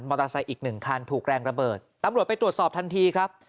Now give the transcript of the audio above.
มอเตอร์ไซค์อีก๑คันถูกแรงระเบิดตำรวจไปตรวจสอบทันทีครับ